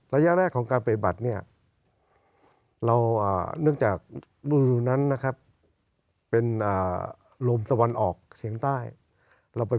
ระยะแรกของการเปรย์บัตรเรานึกจากรุ่นนั้นเป็นลมสวรรค์ออกเฉียงใต้